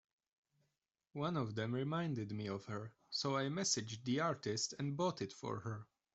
One of them reminded me of her, so I messaged the artist and bought it for her.